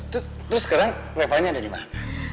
terus sekarang revanya ada dimana